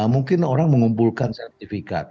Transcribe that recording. mungkin orang mengumpulkan sertifikat